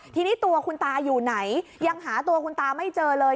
ทีนี้ตัวคุณตาอยู่ไหนยังหาตัวคุณตาไม่เจอเลย